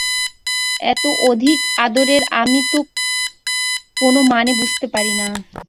এত অধিক আদরের আমি তো কোনো মানে বুঝিতে পারি না।